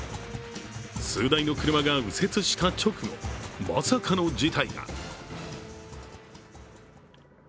数台の車が右折した直後まさかの事態が。